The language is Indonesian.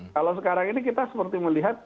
kalau sekarang ini kita seperti melihat